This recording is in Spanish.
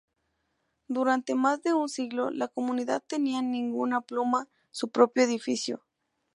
Durante más de un siglo, la comunidad tenía ninguna pluma su propio edificio.